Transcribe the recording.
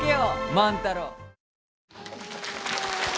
万太郎。